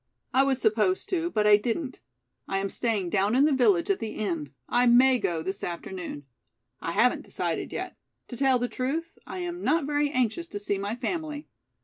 "I was supposed to, but I didn't. I am staying down in the village at the Inn. I may go this afternoon. I haven't decided yet. To tell the truth, I am not very anxious to see my family.